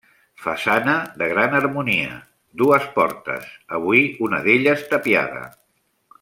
Façana de gran harmonia, dues portes, avui una d'elles tapiada.